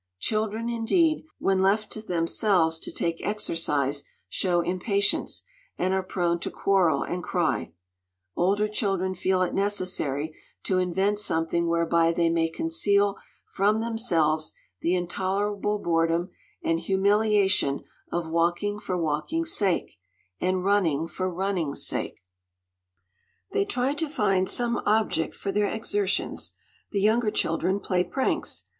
Children, indeed, when left to themselves to take exercise, show impatience, and are prone to quarrel and cry; older children feel it necessary to invent something whereby they may conceal from themselves the intolerable boredom and humiliation of walking for walking's sake, and running for running's sake. They try to find some object for their exertions; the younger children play pranks.